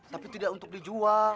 tapi tidak untuk dijual